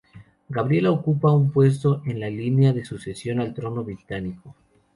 Gabriella ocupa un puesto en la línea de sucesión al trono británico.